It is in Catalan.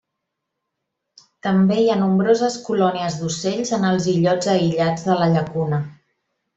També hi ha nombroses colònies d'ocells en els illots aïllats de la llacuna.